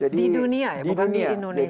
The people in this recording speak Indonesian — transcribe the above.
di dunia ya bukan di indonesia